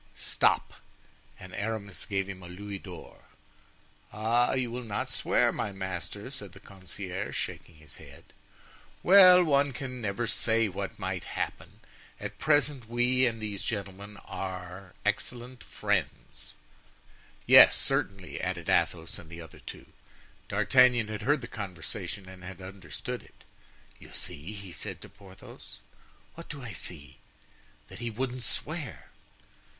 "Stop," and Aramis gave him a louis d'or. "Ah! you will not swear, my master," said the concierge, shaking his head. "Well, one can never say what may happen; at present we and these gentlemen are excellent friends." "Yes, certainly," added Athos and the other two. D'Artagnan had heard the conversation and had understood it. "You see?" he said to Porthos. "What do I see?" "That he wouldn't swear."